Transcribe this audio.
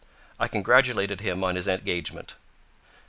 I congratulated him on his engagement.